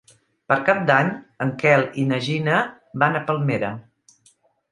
Per Cap d'Any en Quel i na Gina van a Palmera.